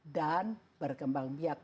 dan berkembang biak